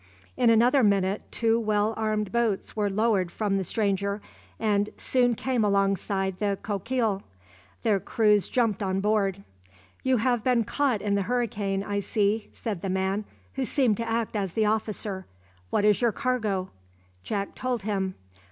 In another minute two well armed boats were lowered from the stranger, and soon came alongside the "Coquille." Their crews jumped on board. "You have been caught in the hurricane, I see," said the man who seemed to act as the officer. "What is your cargo?" Jack told him.